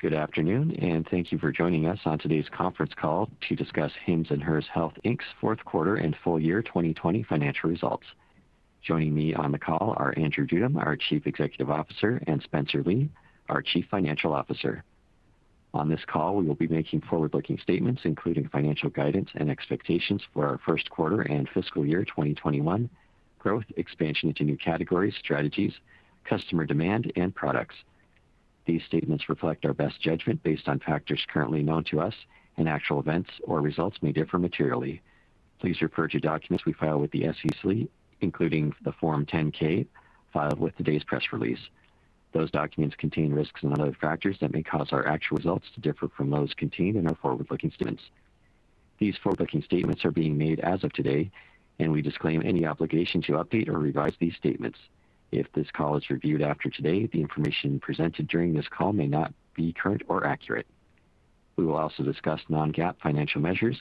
Good afternoon, and thank you for joining us on today's conference call to discuss Hims & Hers Health, Inc.'s fourth quarter and full year 2020 financial results. Joining me on the call are Andrew Dudum, our Chief Executive Officer, and Spencer Lee, our Chief Financial Officer. On this call, we will be making forward-looking statements, including financial guidance and expectations for our first quarter and fiscal year 2021 growth, expansion into new categories, strategies, customer demand, and products. These statements reflect our best judgment based on factors currently known to us, and actual events or results may differ materially. Please refer to documents we file with the SEC, including the Form 10-K filed with today's press release. Those documents contain risks and other factors that may cause our actual results to differ from those contained in our forward-looking statements. These forward-looking statements are being made as of today, and we disclaim any obligation to update or revise these statements. If this call is reviewed after today, the information presented during this call may not be current or accurate. We will also discuss non-GAAP financial measures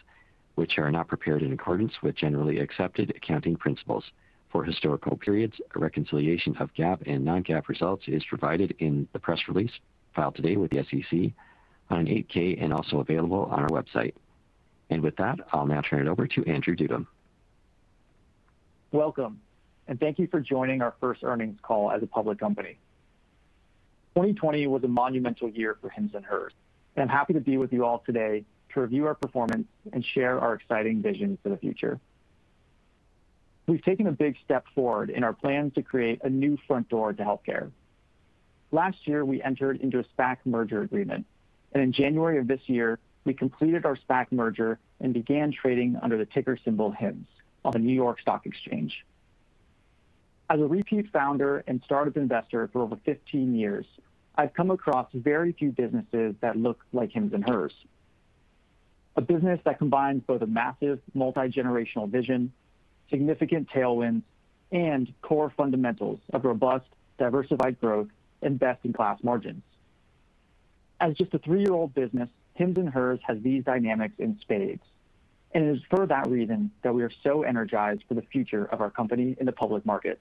which are not prepared in accordance with Generally Accepted Accounting Principles. For historical periods, a reconciliation of GAAP and non-GAAP results is provided in the press release filed today with the SEC on an 8-K and also available on our website. With that, I'll now turn it over to Andrew Dudum. Welcome. Thank you for joining our first earnings call as a public company. 2020 was a monumental year for Hims & Hers. I'm happy to be with you all today to review our performance and share our exciting visions for the future. We've taken a big step forward in our plans to create a new front door to healthcare. Last year, we entered into a SPAC merger agreement. In January of this year, we completed our SPAC merger and began trading under the ticker symbol HIMS on the New York Stock Exchange. As a repeat founder and startup investor for over 15 years, I've come across very few businesses that look like Hims & Hers. A business that combines both a massive multi-generational vision, significant tailwinds, and core fundamentals of robust, diversified growth and best-in-class margins. As just a 3-year-old business, Hims & Hers has these dynamics in spades, and it is for that reason that we are so energized for the future of our company in the public market.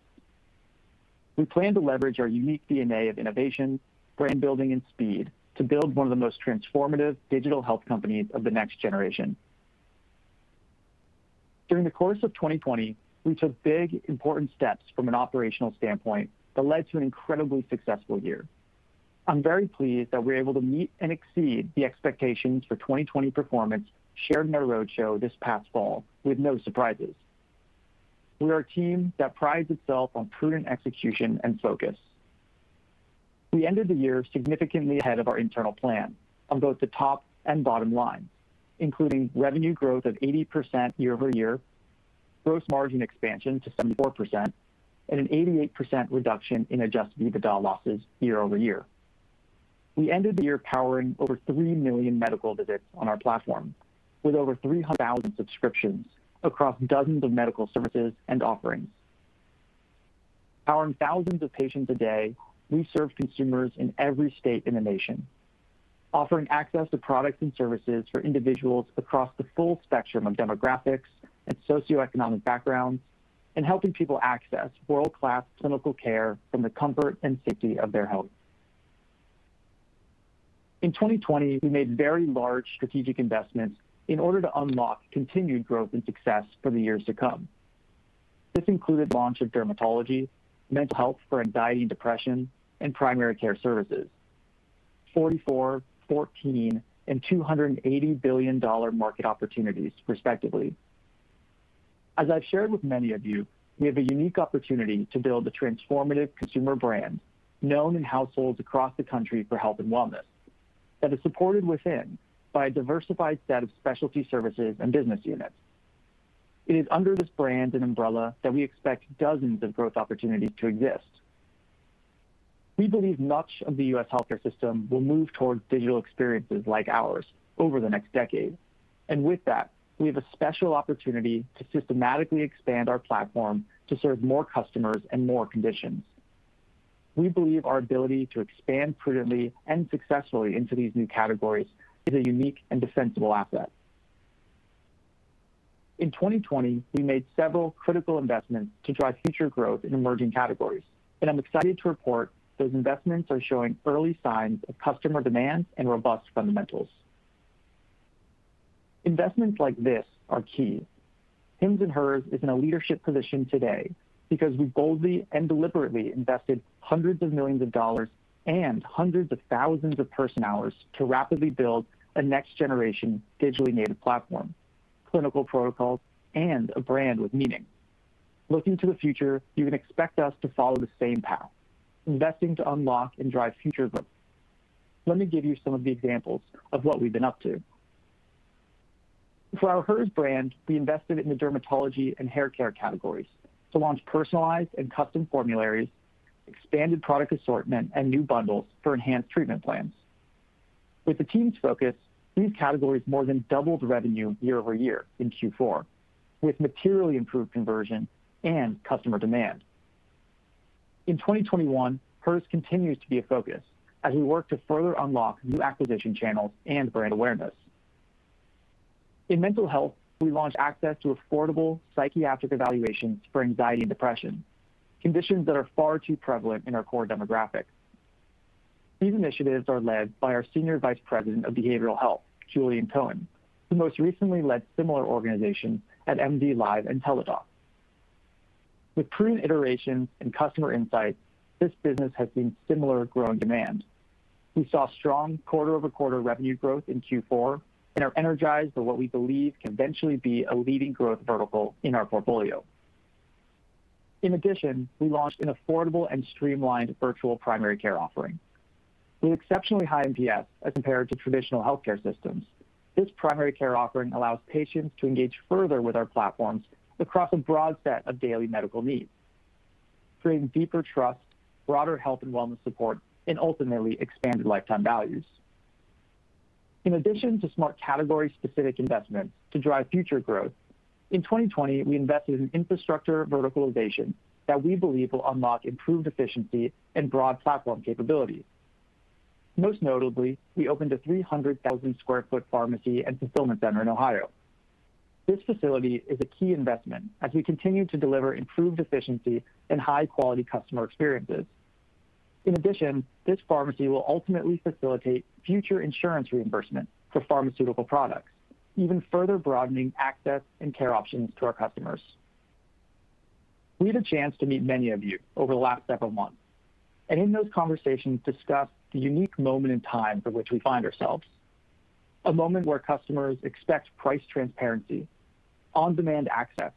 We plan to leverage our unique DNA of innovation, brand building, and speed to build one of the most transformative digital health companies of the next generation. During the course of 2020, we took big, important steps from an operational standpoint that led to an incredibly successful year. I'm very pleased that we were able to meet and exceed the expectations for 2020 performance shared in our roadshow this past fall with no surprises. We are a team that prides itself on prudent execution and focus. We ended the year significantly ahead of our internal plan on both the top and bottom line, including revenue growth of 80% year-over-year, gross margin expansion to 74%, and an 88% reduction in adjusted EBITDA losses year-over-year. We ended the year powering over 3 million medical visits on our platform, with over 300,000 subscriptions across dozens of medical services and offerings. Powering thousands of patients a day, we serve consumers in every state in the nation, offering access to products and services for individuals across the full spectrum of demographics and socioeconomic backgrounds and helping people access world-class clinical care from the comfort and safety of their homes. In 2020, we made very large strategic investments in order to unlock continued growth and success for the years to come. This included launch of dermatology, mental health for anxiety and depression, and primary care services. $44 billion, $14 billion, and $280 billion market opportunities respectively. As I've shared with many of you, we have a unique opportunity to build a transformative consumer brand known in households across the country for health and wellness that is supported within by a diversified set of specialty services and business units. It is under this brand and umbrella that we expect dozens of growth opportunities to exist. We believe much of the U.S. healthcare system will move towards digital experiences like ours over the next decade. With that, we have a special opportunity to systematically expand our platform to serve more customers and more conditions. We believe our ability to expand prudently and successfully into these new categories is a unique and defensible asset. In 2020, we made several critical investments to drive future growth in emerging categories. I'm excited to report those investments are showing early signs of customer demand and robust fundamentals. Investments like this are key. Hims & Hers is in a leadership position today because we boldly and deliberately invested hundreds of millions of dollars and hundreds of thousands of person-hours to rapidly build a next generation digitally native platform, clinical protocols, and a brand with meaning. Looking to the future, you can expect us to follow the same path, investing to unlock and drive future growth. Let me give you some of the examples of what we've been up to. For our Hers brand, we invested in the dermatology and haircare categories to launch personalized and custom formularies, expanded product assortment, and new bundles for enhanced treatment plans. With the team's focus, these categories more than doubled revenue year-over-year in Q4, with materially improved conversion and customer demand. In 2021, Hers continues to be a focus as we work to further unlock new acquisition channels and brand awareness. In mental health, we launched access to affordable psychiatric evaluations for anxiety and depression, conditions that are far too prevalent in our core demographic. These initiatives are led by our Senior Vice President of Behavioral Health, Julian Cohen, who most recently led similar organizations at MDLIVE and Teladoc. With prudent iterations and customer insights, this business has seen similar growing demand. We saw strong quarter-over-quarter revenue growth in Q4, and are energized by what we believe can eventually be a leading growth vertical in our portfolio. In addition, we launched an affordable and streamlined virtual primary care offering. With exceptionally high NPS as compared to traditional healthcare systems, this primary care offering allows patients to engage further with our platforms across a broad set of daily medical needs, creating deeper trust, broader healthcare and wellness support, and ultimately expanded lifetime values. In addition to smart category-specific investments to drive future growth, in 2020 we invested in infrastructure verticalization that we believe will unlock improved efficiency and broad platform capability. Most notably, we opened a 300,000 sq ft pharmacy and fulfillment center in Ohio. This facility is a key investment as we continue to deliver improved efficiency and high quality customer experiences. In addition, this pharmacy will ultimately facilitate future insurance reimbursement for pharmaceutical products, even further broadening access and care options to our customers. We had a chance to meet many of you over the last several months, and in those conversations discuss the unique moment in time for which we find ourselves. A moment where customers expect price transparency, on-demand access,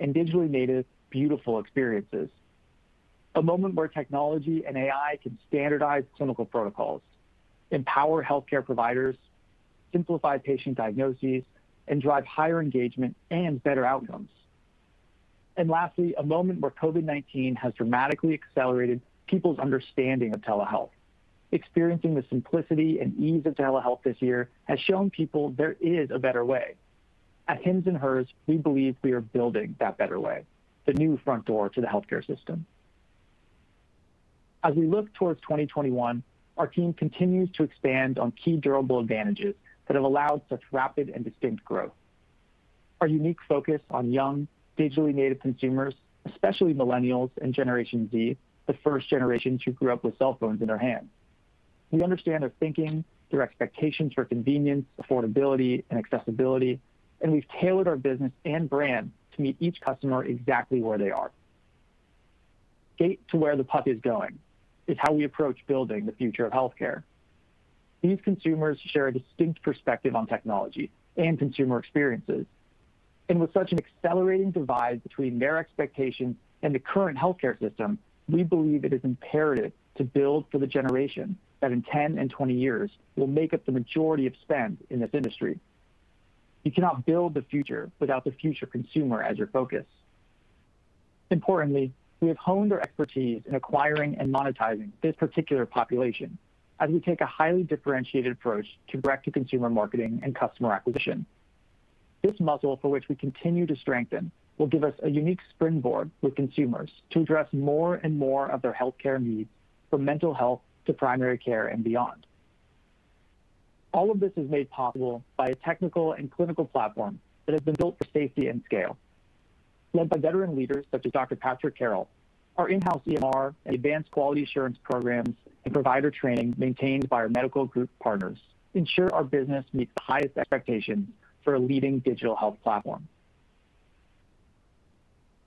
and digitally native beautiful experiences. A moment where technology and AI can standardize clinical protocols, empower healthcare providers, simplify patient diagnoses, and drive higher engagement and better outcomes. Lastly, a moment where COVID-19 has dramatically accelerated people's understanding of telehealth. Experiencing the simplicity and ease of telehealth this year has shown people there is a better way. At Hims & Hers, we believe we are building that better way, the new front door to the healthcare system. As we look towards 2021, our team continues to expand on key durable advantages that have allowed such rapid and distinct growth. Our unique focus on young, digitally native consumers, especially Millennials and Generation Z, the first generations who grew up with cell phones in their hands. We understand their thinking, their expectations for convenience, affordability, and accessibility, and we've tailored our business and brand to meet each customer exactly where they are. Skate to where the puck is going is how we approach building the future of healthcare. These consumers share a distinct perspective on technology and consumer experiences, and with such an accelerating divide between their expectations and the current healthcare system, we believe it is imperative to build for the generation that in 10 and 20 years will make up the majority of spend in this industry. You cannot build the future without the future consumer as your focus. We have honed our expertise in acquiring and monetizing this particular population as we take a highly differentiated approach to direct-to-consumer marketing and customer acquisition. This muscle for which we continue to strengthen will give us a unique springboard with consumers to address more and more of their healthcare needs, from mental health to primary care and beyond. All of this is made possible by a technical and clinical platform that has been built for safety and scale. Led by veteran leaders such as Dr. Patrick Carroll, our in-house EMR and advanced quality assurance programs and provider training maintained by our medical group partners ensure our business meets the highest expectations for a leading digital health platform.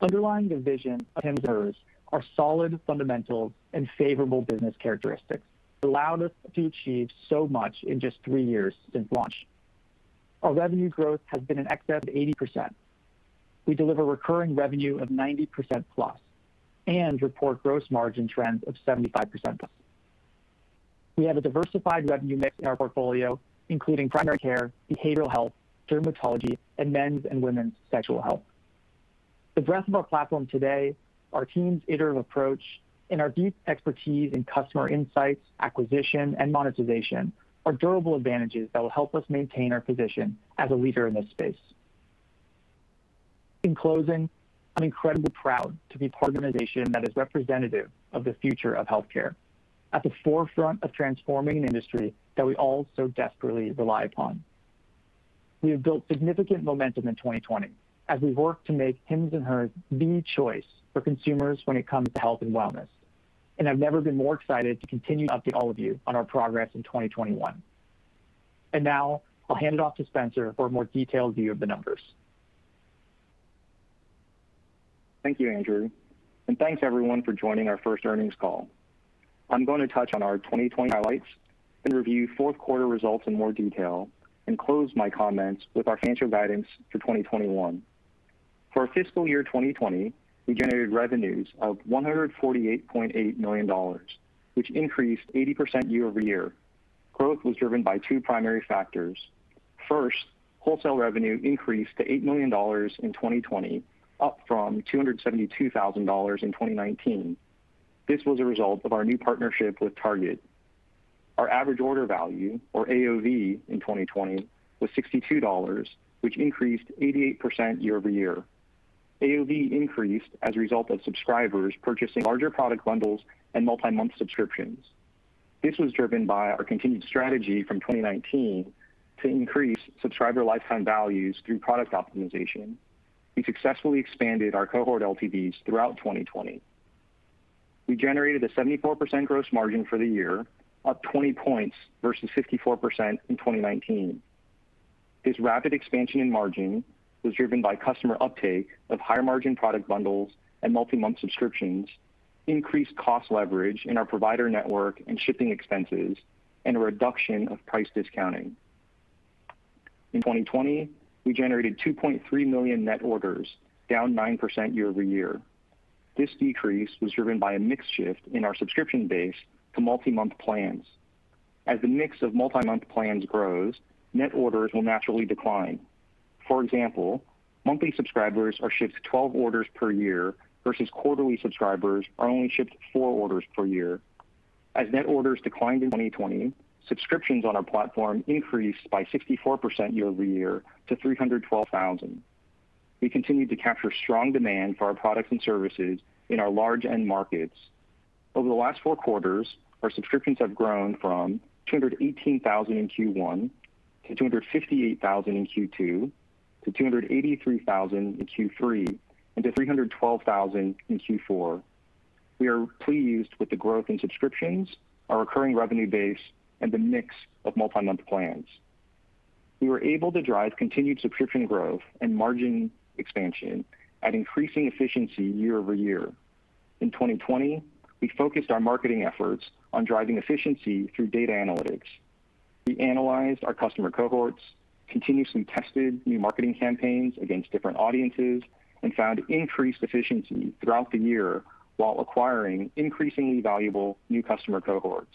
Underlying the vision of Hims & Hers are solid fundamentals and favorable business characteristics that allowed us to achieve so much in just three years since launch. Our revenue growth has been in excess of 80%. We deliver recurring revenue of 90%+ and report gross margin trends of 75%+. We have a diversified revenue mix in our portfolio, including primary care, behavioral health, dermatology, and men's and women's sexual health. The breadth of our platform today, our team's iterative approach, and our deep expertise in customer insights, acquisition, and monetization are durable advantages that will help us maintain our position as a leader in this space. In closing, I'm incredibly proud to be part of an organization that is representative of the future of healthcare, at the forefront of transforming an industry that we all so desperately rely upon. We have built significant momentum in 2020 as we work to make Hims & Hers the choice for consumers when it comes to health and wellness, and I've never been more excited to continue to update all of you on our progress in 2021. Now, I'll hand it off to Spencer for a more detailed view of the numbers. Thank you, Andrew, and thanks everyone for joining our first earnings call. I'm going to touch on our 2020 highlights and review fourth quarter results in more detail and close my comments with our financial guidance for 2021. For our fiscal year 2020, we generated revenues of $148.8 million, which increased 80% year-over-year. Growth was driven by two primary factors. First, wholesale revenue increased to $8 million in 2020, up from $272,000 in 2019. This was a result of our new partnership with Target. Our average order value, or AOV, in 2020 was $62, which increased 88% year-over-year. AOV increased as a result of subscribers purchasing larger product bundles and multi-month subscriptions. This was driven by our continued strategy from 2019 to increase subscriber lifetime values through product optimization. We successfully expanded our cohort LTVs throughout 2020. We generated a 74% gross margin for the year, up 20 points versus 54% in 2019. This rapid expansion in margin was driven by customer uptake of higher margin product bundles and multi-month subscriptions, increased cost leverage in our provider network and shipping expenses, and a reduction of price discounting. In 2020, we generated 2.3 million net orders, down 9% year-over-year. This decrease was driven by a mix shift in our subscription base to multi-month plans. As the mix of multi-month plans grows, net orders will naturally decline. For example, monthly subscribers are shipped 12 orders per year versus quarterly subscribers are only shipped 4 orders per year. As net orders declined in 2020, subscriptions on our platform increased by 64% year-over-year to 312,000. We continued to capture strong demand for our products and services in our large end markets. Over the last four quarters, our subscriptions have grown from 218,000 in Q1 to 258,000 in Q2 to 283,000 in Q3 and to 312,000 in Q4. We are pleased with the growth in subscriptions, our recurring revenue base, and the mix of multi-month plans. We were able to drive continued subscription growth and margin expansion at increasing efficiency year-over-year. In 2020, we focused our marketing efforts on driving efficiency through data analytics. We analyzed our customer cohorts, continuously tested new marketing campaigns against different audiences, and found increased efficiency throughout the year while acquiring increasingly valuable new customer cohorts.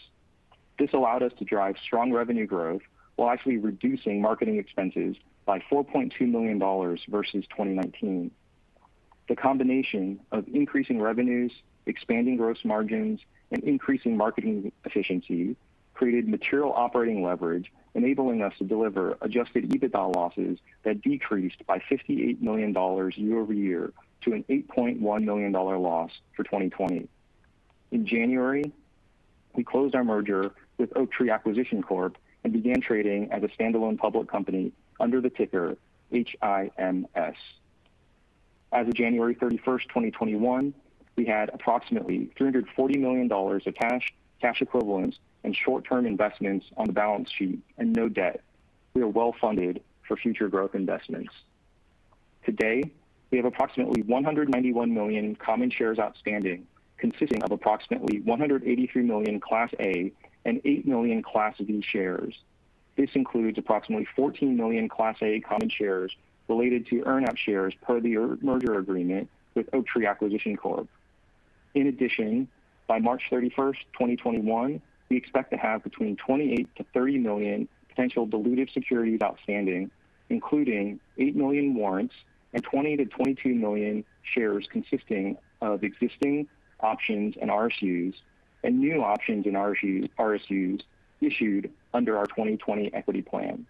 This allowed us to drive strong revenue growth while actually reducing marketing expenses by $4.2 million versus 2019. The combination of increasing revenues, expanding gross margins, and increasing marketing efficiency created material operating leverage, enabling us to deliver adjusted EBITDA losses that decreased by $58 million year-over-year to an $8.1 million loss for 2020. In January, we closed our merger with Oaktree Acquisition Corp. And began trading as a standalone public company under the ticker HIMS. As of January 31, 2021, we had approximately $340 million of cash equivalents, and short-term investments on the balance sheet and no debt. We are well-funded for future growth investments. Today, we have approximately 191 million common shares outstanding, consisting of approximately 183 million Class A and 8 million Class B shares. This includes approximately 14 million Class A common shares related to earn-out shares per the merger agreement with Oaktree Acquisition Corp. In addition, by March 31, 2021, we expect to have between 28 million-30 million potential dilutive securities outstanding, including 8 million warrants and 20 million-22 million shares consisting of existing options and RSUs and new options and RSUs issued under our 2020 equity plan.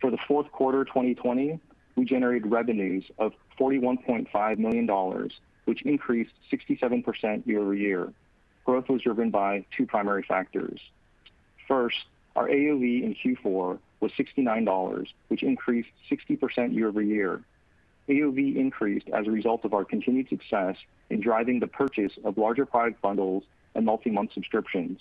For the fourth quarter of 2020, we generated revenues of $41.5 million, which increased 67% year-over-year. Growth was driven by two primary factors. First, our AOV in Q4 was $69, which increased 60% year-over-year. AOV increased as a result of our continued success in driving the purchase of larger product bundles and multi-month subscriptions.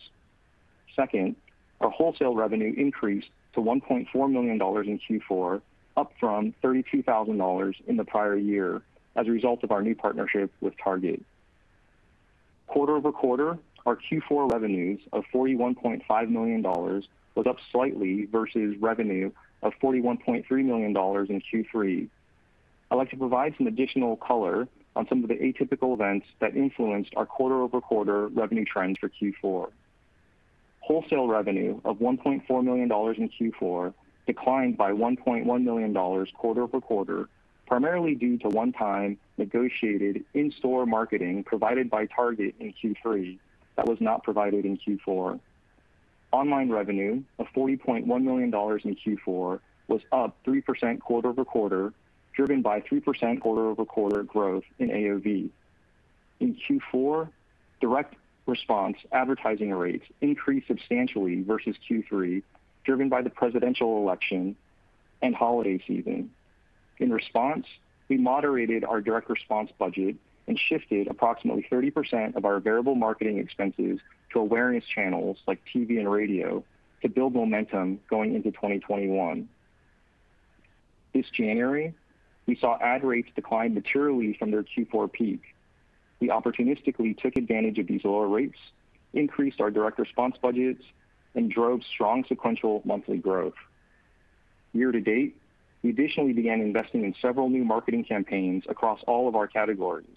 Second, our wholesale revenue increased to $1.4 million in Q4, up from $32,000 in the prior year as a result of our new partnership with Target. Quarter-over-quarter, our Q4 revenues of $41.5 million was up slightly versus revenue of $41.3 million in Q3. I'd like to provide some additional color on some of the atypical events that influenced our quarter-over-quarter revenue trends for Q4. Wholesale revenue of $1.4 million in Q4 declined by $1.1 million quarter-over-quarter, primarily due to one-time negotiated in-store marketing provided by Target in Q3 that was not provided in Q4. Online revenue of $40.1 million in Q4 was up 3% quarter-over-quarter, driven by 3% quarter-over-quarter growth in AOV. In Q4, direct response advertising rates increased substantially versus Q3, driven by the presidential election and holiday season. In response, we moderated our direct response budget and shifted approximately 30% of our variable marketing expenses to awareness channels like TV and radio to build momentum going into 2021. This January, we saw ad rates decline materially from their Q4 peak. We opportunistically took advantage of these lower rates, increased our direct response budgets, and drove strong sequential monthly growth. Year to date, we additionally began investing in several new marketing campaigns across all of our categories.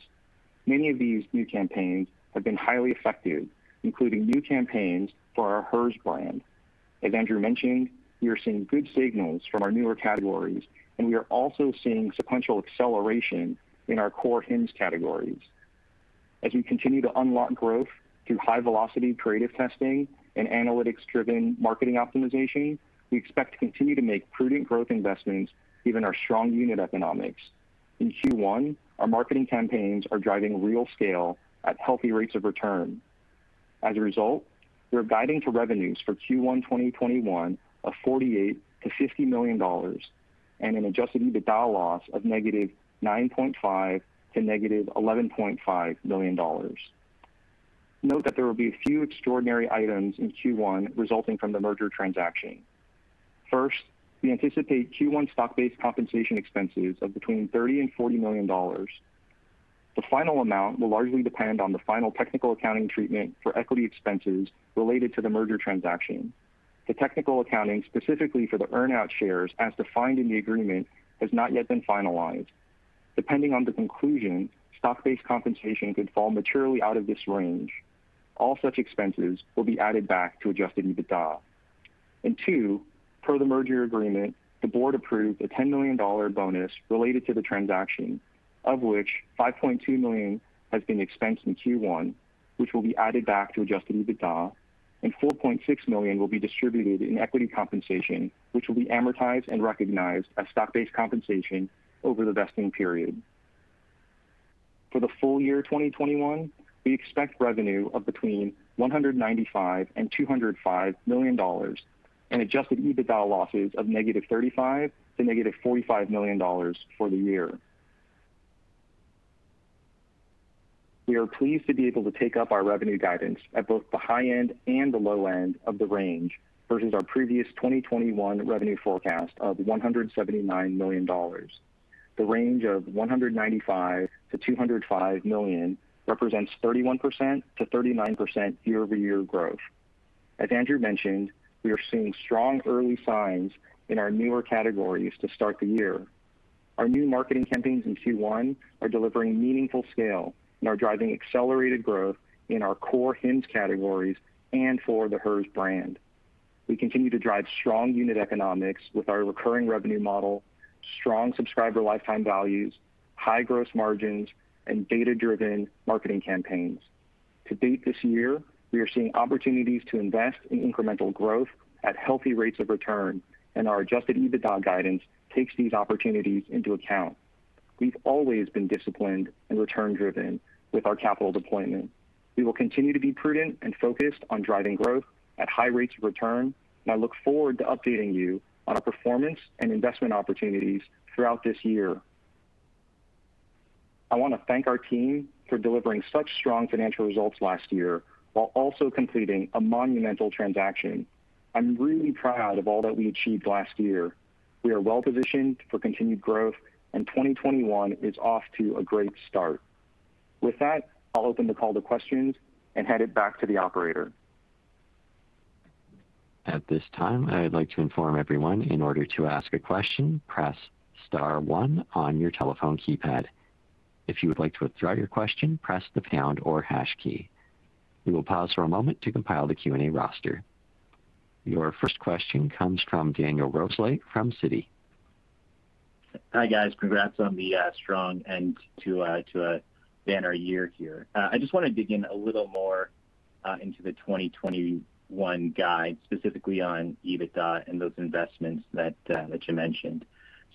Many of these new campaigns have been highly effective, including new campaigns for our Hers brand. As Andrew mentioned, we are seeing good signals from our newer categories, and we are also seeing sequential acceleration in our core Hims categories. As we continue to unlock growth through high velocity creative testing and analytics-driven marketing optimization, we expect to continue to make prudent growth investments given our strong unit economics. In Q1, our marketing campaigns are driving real scale at healthy rates of return. As a result, we are guiding for revenues for Q1 2021 of $48 million-$50 million and an adjusted EBITDA loss of -$9.5 million to -$11.5 million. Note that there will be a few extraordinary items in Q1 resulting from the merger transaction. First, we anticipate Q1 stock-based compensation expenses of between $30 million and $40 million. The final amount will largely depend on the final technical accounting treatment for equity expenses related to the merger transaction. The technical accounting specifically for the earn-out shares as defined in the agreement has not yet been finalized. Depending on the conclusion, stock-based compensation could fall materially out of this range. All such expenses will be added back to adjusted EBITDA. Two, per the merger agreement, the board approved a $10 million bonus related to the transaction, of which $5.2 million has been expensed in Q1, which will be added back to adjusted EBITDA, and $4.6 million will be distributed in equity compensation, which will be amortized and recognized as stock-based compensation over the vesting period. For the full year 2021, we expect revenue of between $195 million and $205 million and adjusted EBITDA losses of -$35 million to -$45 million for the year. We are pleased to be able to take up our revenue guidance at both the high end and the low end of the range versus our previous 2021 revenue forecast of $179 million. The range of $195 million-$205 million represents 31%-39% year-over-year growth. As Andrew mentioned, we are seeing strong early signs in our newer categories to start the year. Our new marketing campaigns in Q1 are delivering meaningful scale and are driving accelerated growth in our core Hims categories and for the Hers brand. We continue to drive strong unit economics with our recurring revenue model, strong subscriber lifetime values, high gross margins, and data-driven marketing campaigns. To date this year, we are seeing opportunities to invest in incremental growth at healthy rates of return, and our adjusted EBITDA guidance takes these opportunities into account. We've always been disciplined and return-driven with our capital deployment. We will continue to be prudent and focused on driving growth at high rates of return. I look forward to updating you on our performance and investment opportunities throughout this year. I want to thank our team for delivering such strong financial results last year while also completing a monumental transaction. I'm really proud of all that we achieved last year. We are well-positioned for continued growth. 2021 is off to a great start. With that, I'll open the call to questions and hand it back to the operator. Your first question comes from Daniel Grosslight from Citi. Hi, guys. Congrats on the strong end to the end our year here. I just wanna dig in a little more into the 2021 guide, specifically on EBITDA and those investments that you mentioned.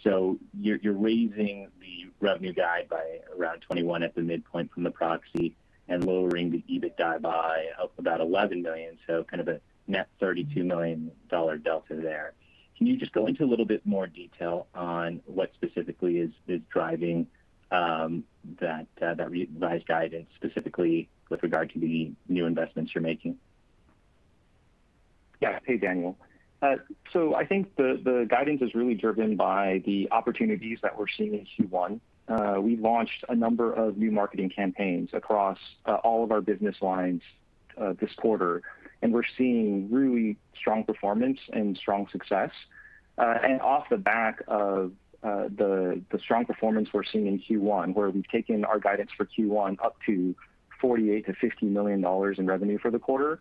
You're raising the revenue guide by around 21% at the midpoint from the proxy and lowering the EBITDA by about $11 million, kind of a net $32 million delta there. Can you just go into a little bit more detail on what specifically is driving that revised guidance, specifically with regard to the new investments you're making? Yeah. Hey, Daniel. I think the guidance is really driven by the opportunities that we're seeing in Q1. We launched a number of new marketing campaigns across all of our business lines this quarter, and we're seeing really strong performance and strong success. And off the back of the strong performance we're seeing in Q1, where we've taken our guidance for Q1 up to $48 million-$50 million in revenue for the quarter,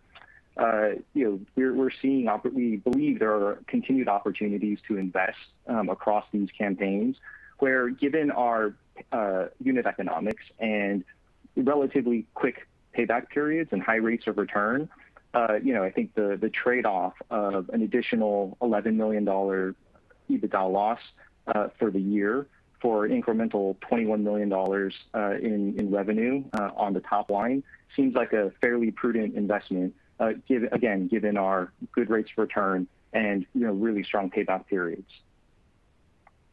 you know, we believe there are continued opportunities to invest across these campaigns, where given our unit economics and relatively quick payback periods and high rates of return, you know, I think the trade-off of an additional $11 million EBITDA loss for the year for incremental $21 million in revenue on the top line seems like a fairly prudent investment again, given our good rates of return and, you know, really strong payback periods.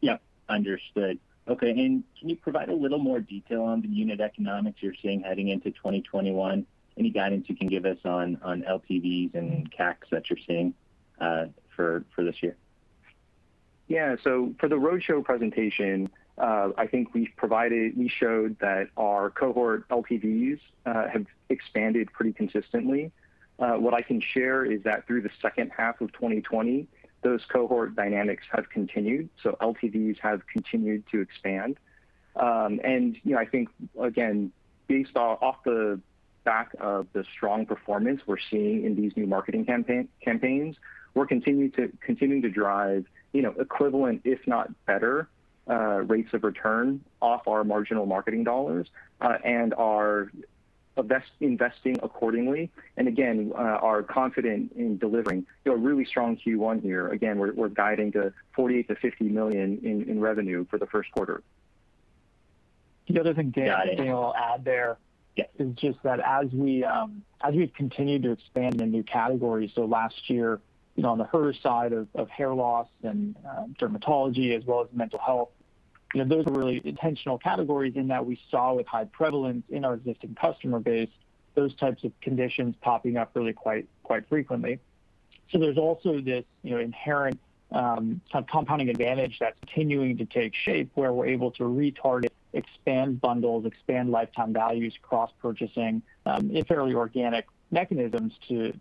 Yeah. Understood. Okay, can you provide a little more detail on the unit economics you're seeing heading into 2021? Any guidance you can give us on LTVs and CACs that you're seeing for this year? For the roadshow presentation, I think we showed that our cohort LTVs have expanded pretty consistently. What I can share is that through the second half of 2020, those cohort dynamics have continued, LTVs have continued to expand. I think again, based off the back of the strong performance we're seeing in these new marketing campaigns, we're continuing to drive, you know, equivalent if not better rates of return off our marginal marketing dollars and are investing accordingly, and again, are confident in delivering, you know, a really strong Q1 here. Again, we're guiding to $48 million-$50 million in revenue for the first quarter. The other thing, Daniel. Got it. Daniel, I'll add. Yes. Is just that as we've continued to expand into new categories, Last year, you know, on the Hers side of hair loss and dermatology, as well as mental health, you know, those are really intentional categories in that we saw with high prevalence in our existing customer base, those types of conditions popping up really quite frequently. There's also this, you know, inherent compounding advantage that's continuing to take shape, where we're able to retarget, expand bundles, expand lifetime values, cross purchasing, in fairly organic mechanisms to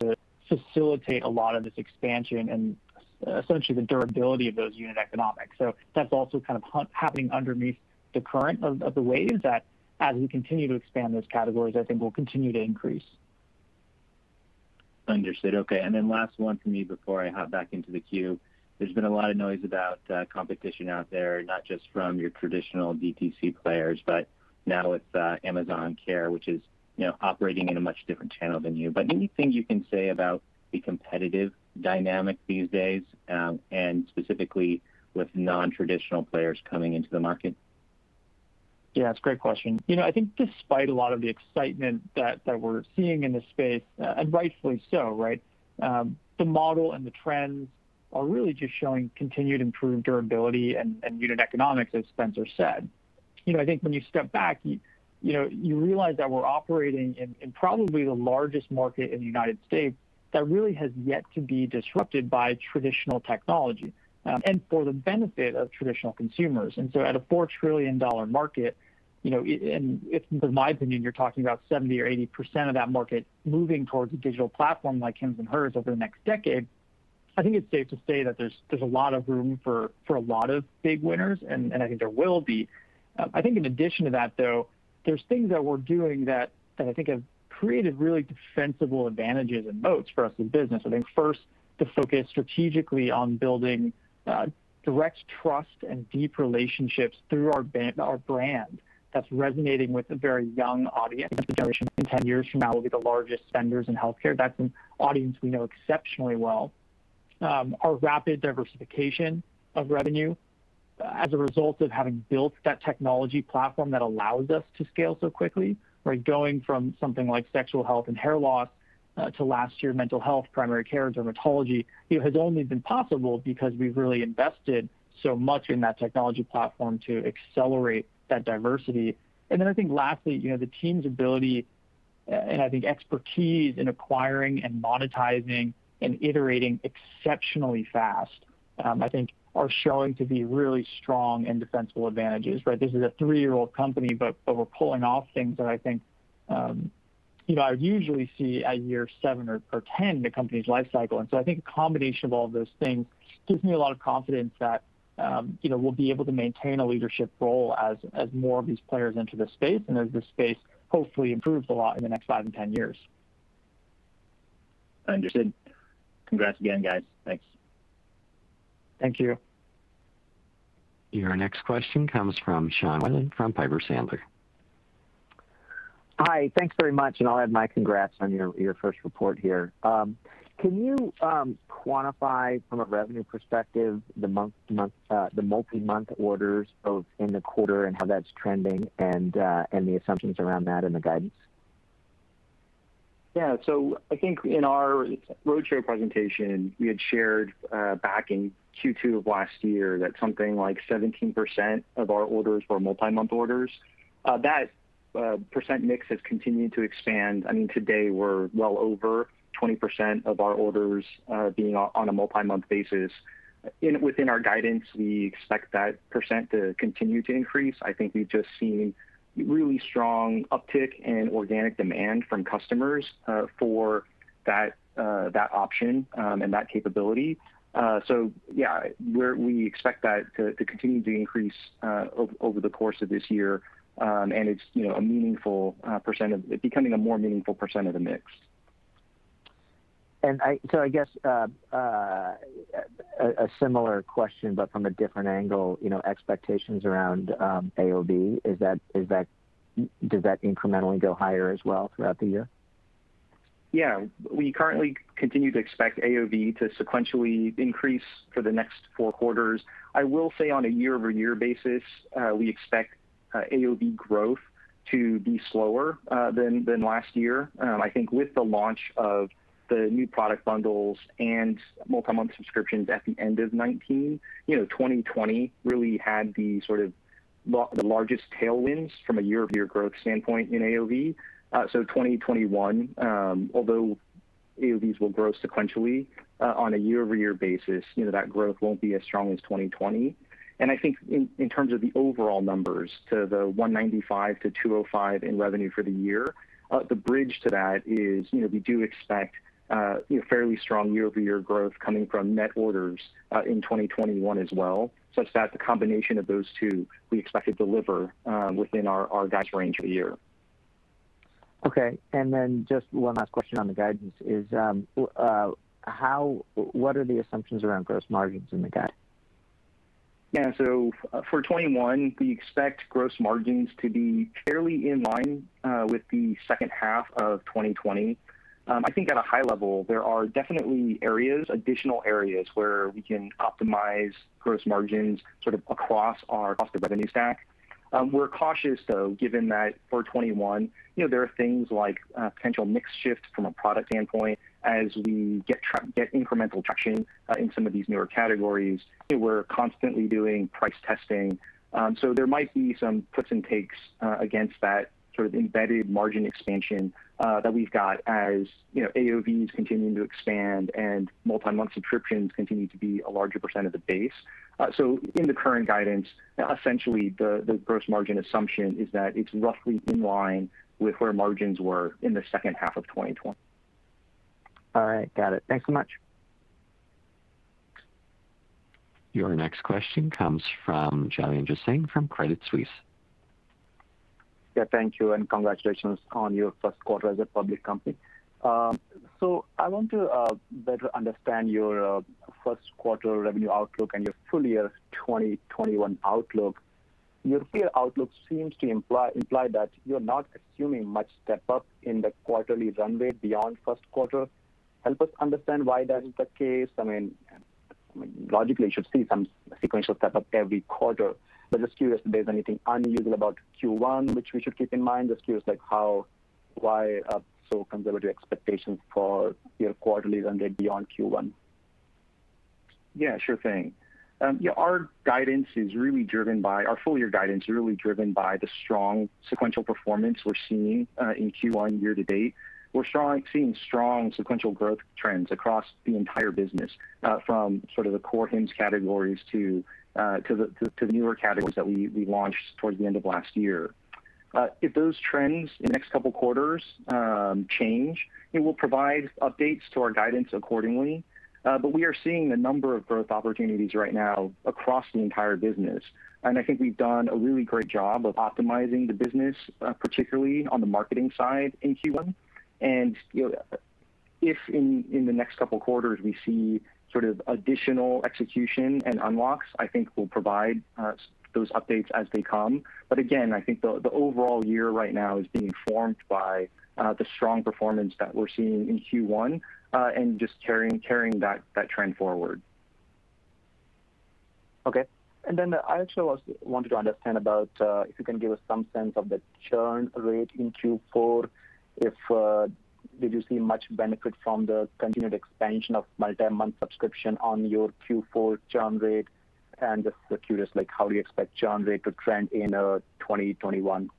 facilitate a lot of this expansion and essentially the durability of those unit economics. That's also kind of happening underneath the current of the wave that as we continue to expand those categories, I think will continue to increase. Understood. Okay, then last one from me before I hop back into the queue. There's been a lot of noise about competition out there, not just from your traditional DTC players, but now with Amazon Care, which is, you know, operating in a much different channel than you. Anything you can say about the competitive dynamic these days, and specifically with non-traditional players coming into the market? That's a great question. You know, I think despite a lot of the excitement that we're seeing in this space, and rightfully so, right? The model and the trends are really just showing continued improved durability and unit economics, as Spencer said. You know, I think when you step back, you know, you realize that we're operating in probably the largest market in the United States that really has yet to be disrupted by traditional technology, and for the benefit of traditional consumers. At a $4 trillion market, you know, and if, in my opinion, you're talking about 70% or 80% of that market moving towards a digital platform like Hims & Hers over the next decade, I think it's safe to say that there's a lot of room for a lot of big winners, and I think there will be. I think in addition to that, though, there's things that we're doing that I think have created really defensible advantages and moats for us as a business. I think first, the focus strategically on building direct trust and deep relationships through our brand that's resonating with a very young audience that's a Generation Z from 10 years from now will be the largest spenders in healthcare. That's an audience we know exceptionally well. Our rapid diversification of revenue, as a result of having built that technology platform that allows us to scale so quickly, right? Going from something like sexual health and hair loss, to last year, mental health, primary care, dermatology, you know, has only been possible because we've really invested so much in that technology platform to accelerate that diversity. I think lastly, you know, the team's ability, and I think expertise in acquiring and monetizing and iterating exceptionally fast, I think are showing to be really strong and defensible advantages, right? This is a three-year-old company, but we're pulling off things that I think, you know, I would usually see at year seven or 10 in a company's life cycle. I think a combination of all of those things gives me a lot of confidence that, you know, we'll be able to maintain a leadership role as more of these players enter the space, and as the space hopefully improves a lot in the next five and 10 years. Understood. Congrats again, guys. Thanks. Thank you. Your next question comes from Sean Wieland from Piper Sandler. Hi. Thanks very much, and I'll add my congrats on your first report here. Can you quantify from a revenue perspective the multi-month orders both in the quarter and how that's trending and the assumptions around that in the guidance? Yeah. I think in our roadshow presentation, we had shared back in Q2 of last year that something like 17% of our orders were multi-month orders. That percent mix has continued to expand. I mean, today we're well over 20% of our orders being on a multi-month basis. Within our guidance, we expect that percent to continue to increase. I think we've just seen really strong uptick in organic demand from customers for that option, and that capability. Yeah, we expect that to continue to increase over the course of this year. It's, you know, a meaningful percent of it becoming a more meaningful percent of the mix. I guess a similar question, but from a different angle, you know, expectations around AOV. Does that incrementally go higher as well throughout the year? Yeah. We currently continue to expect AOV to sequentially increase for the next four quarters. I will say on a year-over-year basis, we expect AOV growth to be slower than last year. I think with the launch of the new product bundles and multi-month subscriptions at the end of 2019, you know, 2020 really had the sort of the largest tailwinds from a year-over-year growth standpoint in AOV. 2021, although AOVs will grow sequentially, on a year-over-year basis, you know, that growth won't be as strong as 2020. I think in terms of the overall numbers to the $195 million-$205 million in revenue for the year, the bridge to that is, we do expect fairly strong year-over-year growth coming from net orders in 2021 as well, such that the combination of those two, we expect to deliver within our guide range for the year. Okay. Just one last question on the guidance is, what are the assumptions around gross margins in the guide? Yeah. For 2021, we expect gross margins to be fairly in line with the second half of 2020. I think at a high level, there are definitely areas, additional areas where we can optimize gross margins sort of across our cost to revenue stack. We're cautious though given that for 2021, you know, there are things like potential mix shifts from a product standpoint as we get incremental traction in some of these newer categories. We're constantly doing price testing, there might be some puts and takes against that sort of embedded margin expansion that we've got as, you know, AOV's continuing to expand and multi-month subscriptions continue to be a larger percent of the base. In the current guidance, essentially the gross margin assumption is that it's roughly in line with where margins were in the second half of 2020. All right. Got it. Thanks so much. Your next question comes from Jailendra Singh from Credit Suisse. Yeah, thank you. Congratulations on your first quarter as a public company. I want to better understand your first quarter revenue outlook and your full year 2021 outlook. Your full year outlook seems to imply that you're not assuming much step up in the quarterly runway beyond first quarter. Help us understand why that is the case. I mean, logically you should see some sequential step up every quarter, but just curious if there's anything unusual about Q1 which we should keep in mind. Just curious like how, why so conservative expectations for your quarterly runway beyond Q1? Sure thing. Our full year guidance is really driven by the strong sequential performance we're seeing in Q1 year to date. We're seeing strong sequential growth trends across the entire business from sort of the core Hims categories to the newer categories that we launched towards the end of last year. If those trends in the next couple quarters change, we will provide updates to our guidance accordingly. We are seeing a number of growth opportunities right now across the entire business, and I think we've done a really great job of optimizing the business particularly on the marketing side in Q1. You know, if in the next two quarters we see sort of additional execution and unlocks, I think we'll provide those updates as they come. Again, I think the overall year right now is being formed by the strong performance that we're seeing in Q1, and just carrying that trend forward. Okay. I also wanted to understand about if you can give us some sense of the churn rate in Q4. Did you see much benefit from the continued expansion of multi-month subscription on your Q4 churn rate? Just curious, like how you expect churn rate to trend in 2021.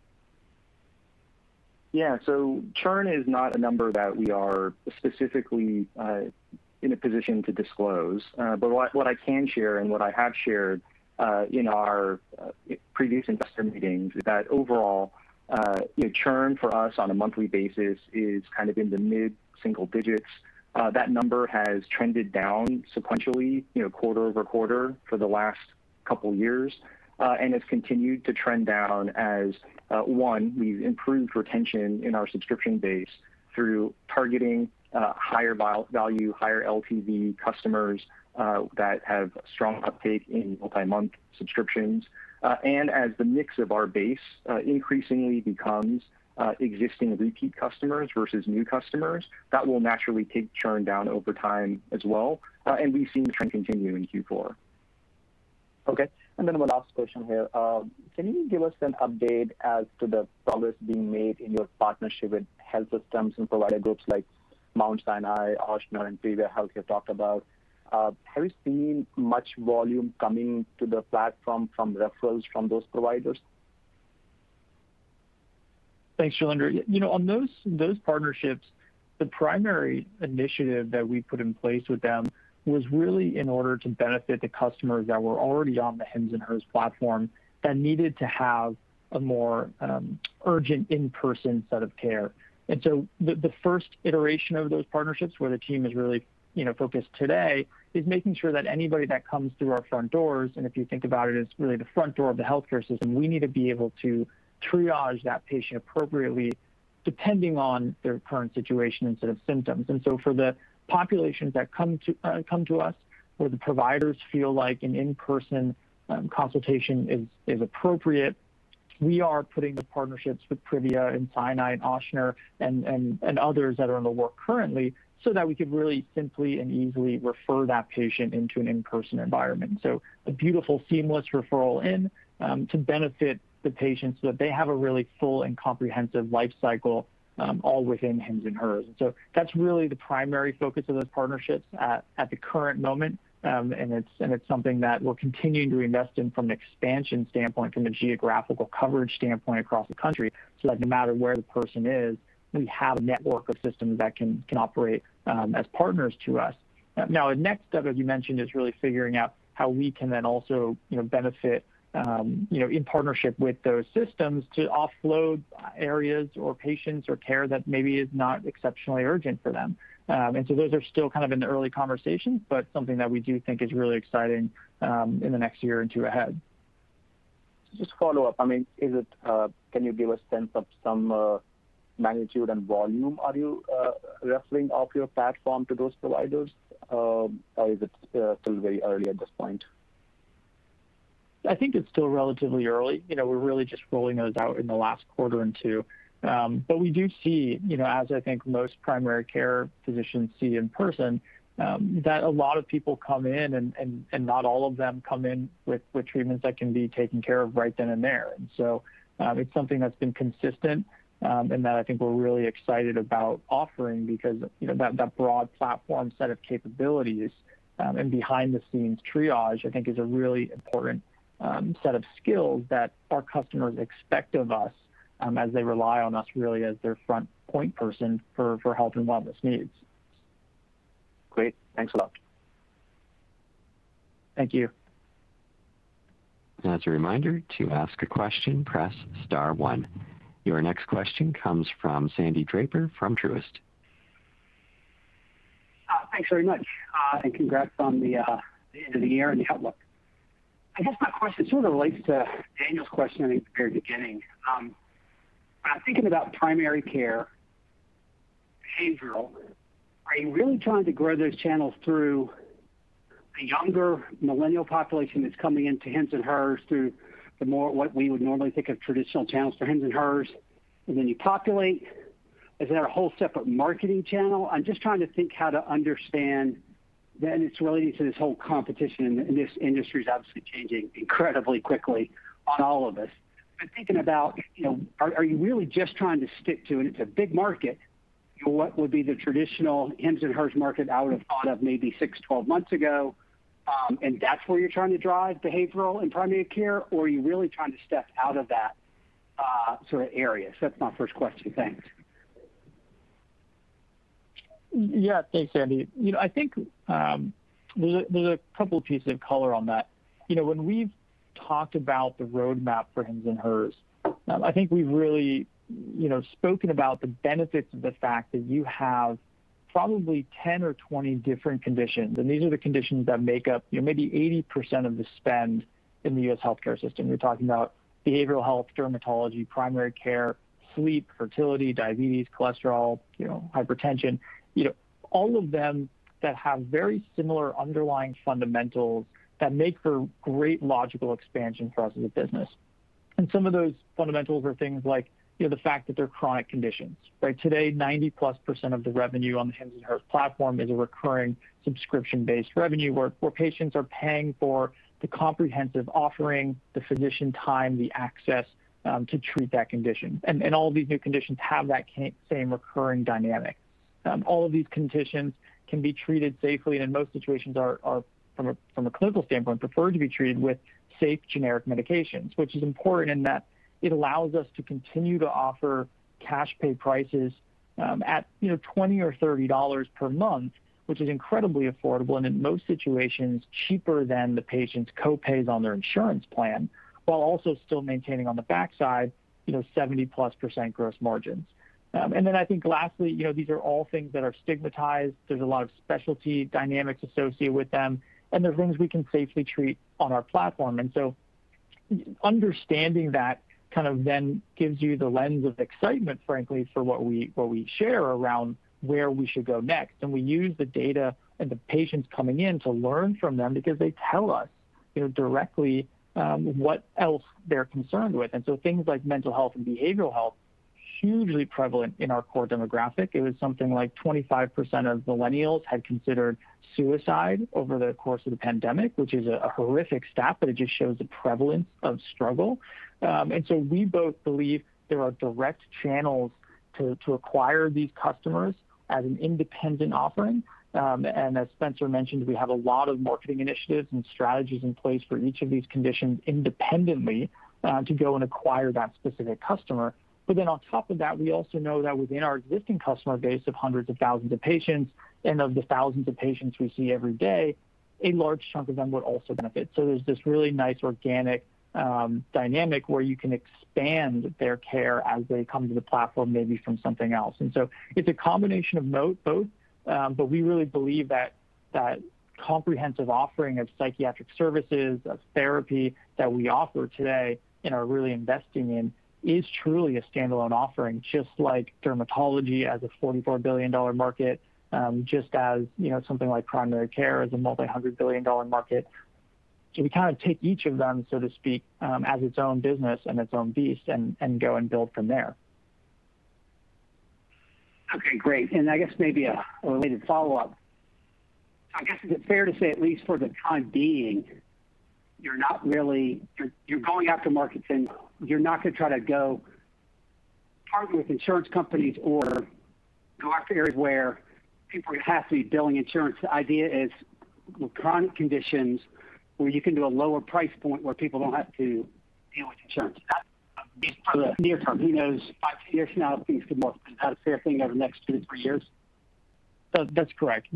Churn is not a number that we are specifically in a position to disclose. What I can share and what I have shared in our previous investor meetings is that overall, you know, churn for us on a monthly basis is kind of in the mid-single digits. That number has trended down sequentially, you know, quarter-over-quarter for the last couple years, and has continued to trend down as one, we've improved retention in our subscription base through targeting higher-value, higher LTV customers that have strong uptake in multi-month subscriptions. As the mix of our base increasingly becomes existing repeat customers versus new customers, that will naturally take churn down over time as well. We see the trend continue in Q4. Okay. One last question here. Can you give us an update as to the progress being made in your partnership with health systems and provider groups like Mount Sinai, Ochsner, and Privia Health you talked about? Have you seen much volume coming to the platform from referrals from those providers? Thanks, Jailendra. You know, on those partnerships, the primary initiative that we put in place with them was really in order to benefit the customers that were already on the Hims & Hers platform and needed to have a more urgent in-person set of care. The first iteration of those partnerships where the team is really, you know, focused today is making sure that anybody that comes through our front doors, and if you think about it's really the front door of the healthcare system, we need to be able to triage that patient appropriately depending on their current situation and set of symptoms. For the populations that come to, come to us, where the providers feel like an in-person consultation is appropriate, we are putting the partnerships with Privia and Sinai and Ochsner and others that are in the work currently, so that we can really simply and easily refer that patient into an in-person environment. A beautiful seamless referral in to benefit the patients so that they have a really full and comprehensive life cycle, all within Hims & Hers. That's really the primary focus of those partnerships at the current moment. It's something that we're continuing to invest in from an expansion standpoint, from a geographical coverage standpoint across the country, so that no matter where the person is, we have a network of systems that can operate as partners to us. Now the next step, as you mentioned, is really figuring out how we can then also benefit in partnership with those systems to offload areas or patients or care that maybe is not exceptionally urgent for them. Those are still kind of in the early conversations, but something that we do think is really exciting in the next year or two ahead. Just follow up. I mean, is it, can you give a sense of some magnitude and volume are you reffering off your platform to those providers? Is it still very early at this point? I think it's still relatively early. You know, we're really just rolling those out in the last quarter or two. We do see, you know, as I think most primary care physicians see in person, that a lot of people come in and not all of them come in with treatments that can be taken care of right then and there. It's something that's been consistent and that I think we're really excited about offering because, you know, that broad platform set of capabilities and behind-the-scenes triage, I think is a really important set of skills that our customers expect of us as they rely on us really as their front point person for health and wellness needs. Great. Thanks a lot. Thank you. As a reminder, to ask a question, press star one. Your next question comes from Sandy Draper from Truist. Thanks very much, and congrats on the end of the year and the outlook. I guess my question sort of relates to Daniel's question in the very beginning. Thinking about primary care, behavioral, are you really trying to grow those channels through the younger Millennial population that's coming into Hims & Hers through the more what we would normally think of traditional channels for Hims & Hers, and then you populate? Is there a whole separate marketing channel? I'm just trying to think how to understand then it's relating to this whole competition, and this industry is obviously changing incredibly quickly on all of us. Thinking about, are you really just trying to stick to, and it's a big market, what would be the traditional Hims & Hers market I would have thought of maybe six, 12 months ago, and that's where you're trying to drive behavioral and primary care? Or are you really trying to step out of that sort of area? That's my first question. Thanks. Yeah. Thanks, Sandy. You know, I think there's a couple pieces of color on that. You know, when we've talked about the roadmap for Hims & Hers, I think we've really, you know, spoken about the benefits of the fact that you have probably 10 or 20 different conditions, and these are the conditions that make up, you know, maybe 80% of the spend in the U.S. healthcare system. You're talking about behavioral health, dermatology, primary care, sleep, fertility, diabetes, cholesterol, you know, hypertension. You know, all of them that have very similar underlying fundamentals that make for great logical expansion for us as a business. Some of those fundamentals are things like, you know, the fact that they're chronic conditions. Right? Today, 90%+ of the revenue on the Hims & Hers platform is a recurring subscription-based revenue where patients are paying for the comprehensive offering, the physician time, the access to treat that condition. All these new conditions have that same recurring dynamic. All of these conditions can be treated safely, and in most situations are from a clinical standpoint, preferred to be treated with safe generic medications, which is important in that it allows us to continue to offer cash pay prices, at, you know, $20 or $30 per month, which is incredibly affordable and in most situations cheaper than the patient's co-pays on their insurance plan, while also still maintaining on the backside, you know, 70%+ gross margins. I think lastly, you know, these are all things that are stigmatized. There's a lot of specialty dynamics associated with them, and they're things we can safely treat on our platform. Understanding that then gives you the lens of excitement, frankly, for what we share around where we should go next. We use the data and the patients coming in to learn from them because they tell us directly what else they're concerned with. Things like mental health and behavioral health, hugely prevalent in our core demographic. It was something like 25% of millennials had considered suicide over the course of the pandemic, which is a horrific stat, but it just shows the prevalence of struggle. We both believe there are direct channels to acquire these customers as an independent offering. As Spencer mentioned, we have a lot of marketing initiatives and strategies in place for each of these conditions independently to go and acquire that specific customer. On top of that, we also know that within our existing customer base of hundreds of thousands of patients and of the thousands of patients we see every day, a large chunk of them would also benefit. There's this really nice organic dynamic where you can expand their care as they come to the platform maybe from something else. It's a combination of both, but we really believe that that comprehensive offering of psychiatric services, of therapy that we offer today and are really investing in is truly a standalone offering, just like dermatology as a $44 billion market, just as, you know, something like primary care is a multi-hundred billion market. We kind of take each of them, so to speak, as its own business and its own beast and go and build from there. Okay. Great. I guess maybe a related follow-up. I guess, is it fair to say at least for the time being, you're going after markets and you're not gonna try to go partner with insurance companies or go after areas where people are gonna have to be billing insurance? The idea is chronic conditions where you can do a lower price point where people don't have to deal with insurance. That is at least probably near term. Who knows five, 10 years from now if these could more become a fair thing over the next two to three years? That's correct.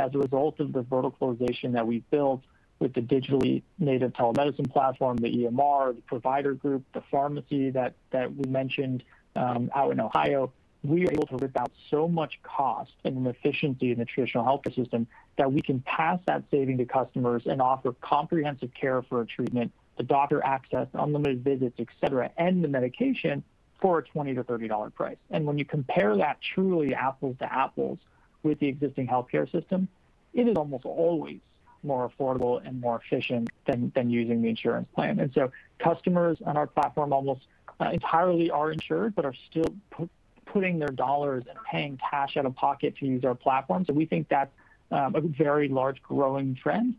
As a result of the verticalization that we've built with the digitally native telemedicine platform, the EMR, the provider group, the pharmacy that we mentioned out in Ohio, we are able to rip out so much cost and efficiency in the traditional healthcare system that we can pass that saving to customers and offer comprehensive care for a treatment, the doctor access, unlimited visits, etc., and the medication for a $20 to $30 price. When you compare that truly apples to apples with the existing healthcare system, it is almost always more affordable and more efficient than using the insurance plan. Customers on our platform almost entirely are insured, but are still putting their dollars and paying cash out of pocket to use our platform, so we think that's a very large growing trend.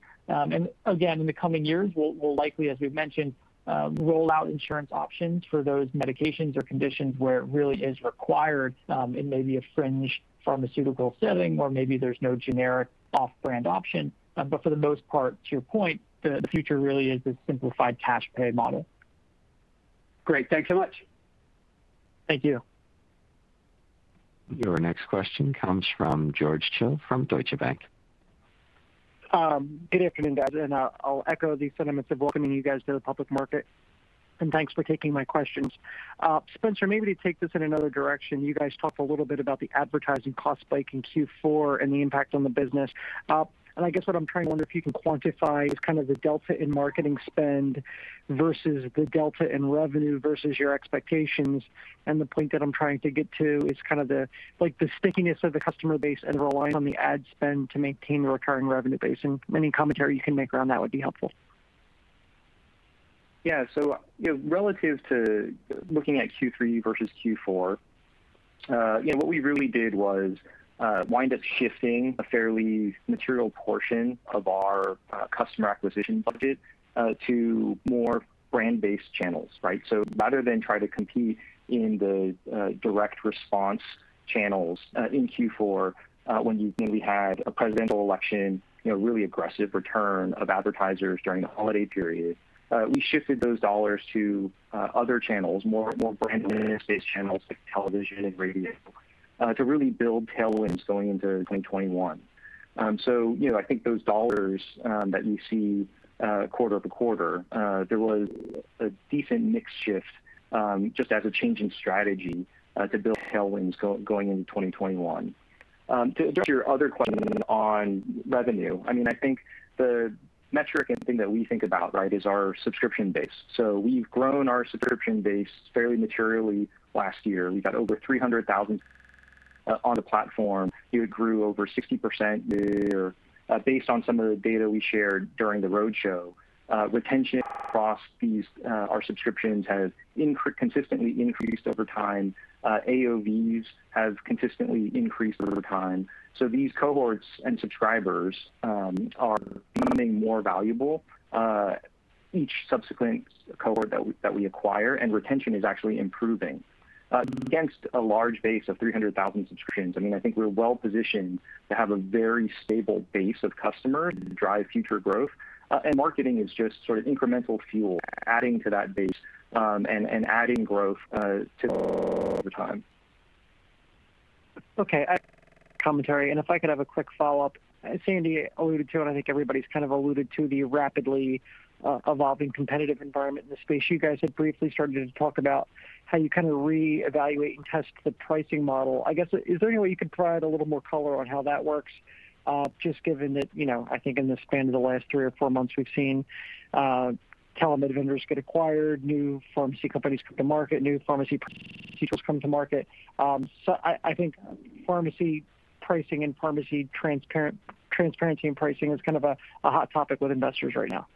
Again, in the coming years we'll likely, as we've mentioned, roll out insurance options for those medications or conditions where it really is required in maybe a fringe pharmaceutical setting or maybe there's no generic off-brand option. For the most part, to your point, the future really is a simplified cash pay model. Great. Thanks so much. Thank you. Your next question comes from George Hill from Deutsche Bank. Good afternoon, guys, I'll echo the sentiments of welcoming you guys to the public market. Thanks for taking my questions. Spencer, maybe to take this in another direction, you guys talked a little bit about the advertising cost spike in Q4 and the impact on the business. I guess what I'm trying to wonder if you can quantify is kind of the delta in marketing spend versus the delta in revenue versus your expectations. The point that I'm trying to get to is kind of the, like, the stickiness of the customer base and reliance on the ad spend to maintain the recurring revenue base. Any commentary you can make around that would be helpful. You know, relative to looking at Q3 versus Q4, you know, what we really did was wind up shifting a fairly material portion of our customer acquisition budget to more brand-based channels, right? Rather than try to compete in the direct response channels in Q4, when you know, we had a presidential election, you know, really aggressive return of advertisers during the holiday period, we shifted those dollars to other channels, more brand-based channels like television and radio, to really build tailwinds going into 2021. You know, I think those dollars that you see quarter-over-quarter, there was a decent mix shift, just as a change in strategy, to build tailwinds going into 2021. To address your other question on revenue, I mean, I think the metric and thing that we think about, right, is our subscription base. We've grown our subscription base fairly materially last year. We got over 300,000 on the platform. It grew over 60% year, based on some of the data we shared during the roadshow. Retention across these, our subscriptions has consistently increased over time. AOV have consistently increased over time. These cohorts and subscribers are becoming more valuable, each subsequent cohort that we, that we acquire, and retention is actually improving. Against a large base of 300,000 subscriptions, I mean, I think we're well-positioned to have a very stable base of customers drive future growth. Marketing is just sort of incremental fuel adding to that base, and adding growth to over time. Okay. I commentary, and if I could have a quick follow-up. Sandy alluded to, and I think everybody's kind of alluded to the rapidly evolving competitive environment in the space. You guys had briefly started to talk about how you kind of reevaluate and test the pricing model. I guess, is there any way you could provide a little more color on how that works, just given that, you know, I think in the span of the last three or four months we've seen telemedicine vendors get acquired, new pharmacy companies come to market, new pharmacy come to market. I think pharmacy pricing and pharmacy transparency in pricing is kind of a hot topic with investors right now.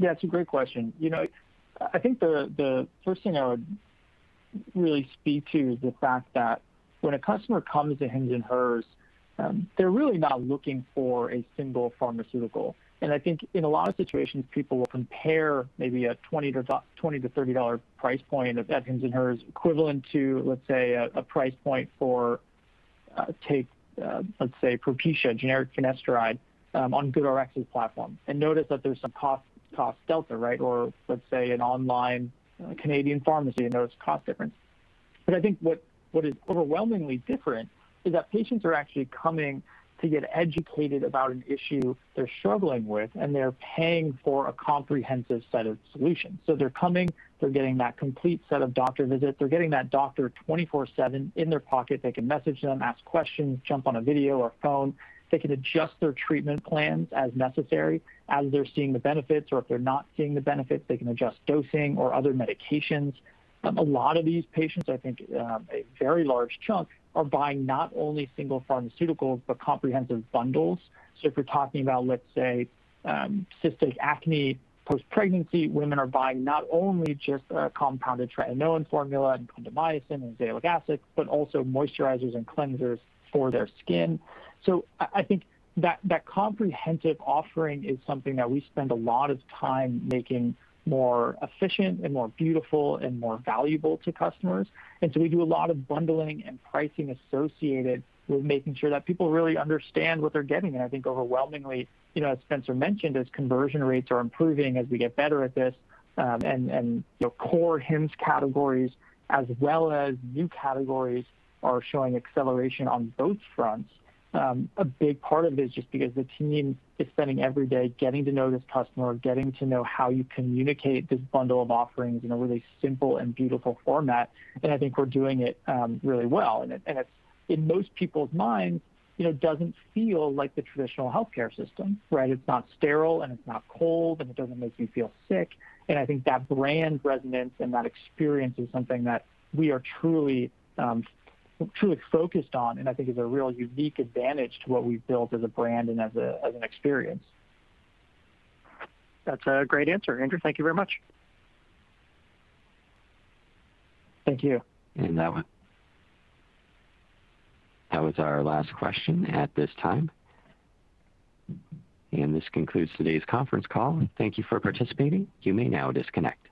It's a great question. You know, I think the first thing I would really speak to is the fact that when a customer comes to Hims & Hers, they're really not looking for a single pharmaceutical. I think in a lot of situations people will compare maybe a $20 to $30 price point of at Hims & Hers equivalent to, let's say, a price point for, take, let's say, Propecia, generic finasteride, on GoodRx's platform, and notice that there's some cost delta, right? Let's say an online Canadian pharmacy, you'll notice cost difference. I think what is overwhelmingly different is that patients are actually coming to get educated about an issue they're struggling with, and they're paying for a comprehensive set of solutions. They're coming, they're getting that complete set of doctor visits. They're getting that doctor 24/7 in their pocket. They can message them, ask questions, jump on a video or phone. They can adjust their treatment plans as necessary as they're seeing the benefits or if they're not seeing the benefits they can adjust dosing or other medications. A lot of these patients, I think, a very large chunk are buying not only single pharmaceuticals, but comprehensive bundles. If you're talking about, let's say, cystic acne post-pregnancy, women are buying not only just a compounded tretinoin formula and clindamycin and azelaic acid, but also moisturizers and cleansers for their skin. I think that comprehensive offering is something that we spend a lot of time making more efficient and more beautiful and more valuable to customers. We do a lot of bundling and pricing associated with making sure that people really understand what they're getting. I think overwhelmingly, you know, as Spencer mentioned, as conversion rates are improving as we get better at this, and, you know, core Hims categories as well as new categories are showing acceleration on both fronts. A big part of it is just because the team is spending every day getting to know this customer, getting to know how you communicate this bundle of offerings in a really simple and beautiful format, I think we're doing it, really well. It's, in most people's minds, you know, doesn't feel like the traditional healthcare system, right? It's not sterile and it's not cold, and it doesn't make me feel sick. I think that brand resonance and that experience is something that we are truly focused on and I think is a real unique advantage to what we've built as a brand and as an experience. That's a great answer, Andrew. Thank you very much. Thank you. That was our last question at this time. This concludes today's conference call. Thank you for participating. You may now disconnect.